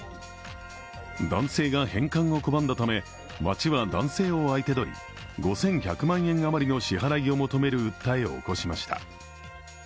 男性が返還を拒んだため町は男性を相手取り５１００万円余りの支払いを求める訴えを起こしました。